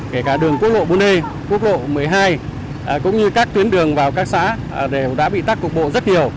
kể cả đường quốc lộ bốn d quốc lộ một mươi hai cũng như các tuyến đường vào các xã đều đã bị tắc cục bộ rất nhiều